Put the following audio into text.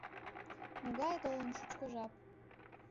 Могае толын шучко жап!